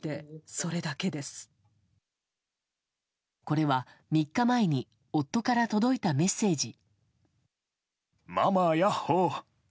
これは、３日前に夫から届いたメッセージ。